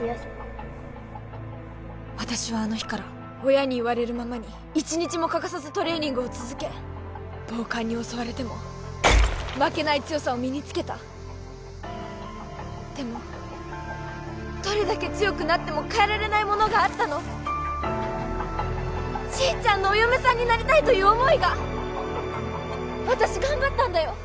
私はあの日から親に言われるままに一日も欠かさずトレーニングを続け暴漢に襲われても負けない強さを身につけたでもどれだけ強くなっても変えられないものがあったのちーちゃんのお嫁さんになりたいという思いが私頑張ったんだよ？